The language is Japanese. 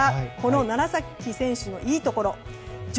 楢崎選手のいいところ上